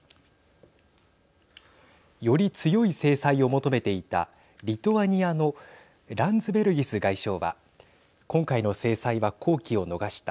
より強い制裁を求めていたリトアニアのランズベルギス外相は今回の制裁は好機を逃した。